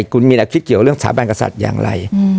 คุณมีแนวคิดเกี่ยวเรื่องสถาบันกษัตริย์อย่างไร